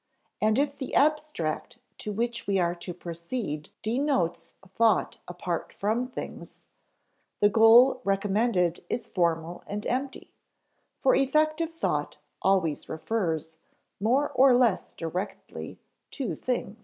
And if the abstract to which we are to proceed denotes thought apart from things, the goal recommended is formal and empty, for effective thought always refers, more or less directly, to things.